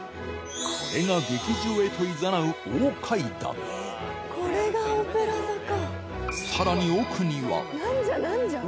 これが劇場へといざなうこれがオペラ座か！